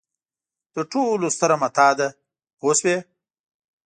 تر ټولو ستره متاع ده پوه شوې!.